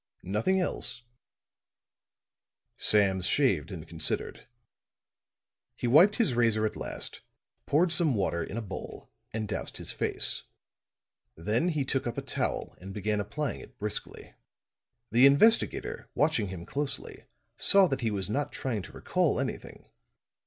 "Nothing else?" Sams shaved and considered. He wiped his razor at last, poured some water in a bowl and doused his face. Then he took up a towel and began applying it briskly. The investigator, watching him closely, saw that he was not trying to recall anything.